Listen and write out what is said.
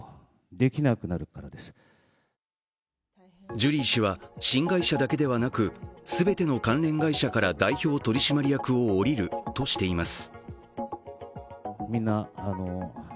ジュリー氏は新会社だけではなく全ての関連会社から代表取締役を降りるとしています。